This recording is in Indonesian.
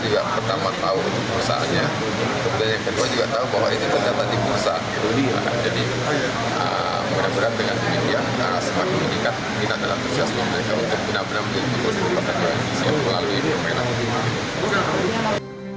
jadi benar benar dengan kemimpian karena semakin meningkat kita akan mengekspresikan mereka untuk benar benar mengekspresikan perusahaan